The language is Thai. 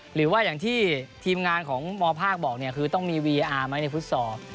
หรือว่าอย่างที่ทีมงานของมภาคบอกเนี่ยคือต้องมีวีอาร์ไหมในฟุตซอล